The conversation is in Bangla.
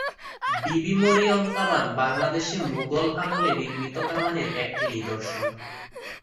বিবি মরিয়ম কামান বাংলাদেশে মুঘল আমলে নির্মিত কামানের একটি নিদর্শন।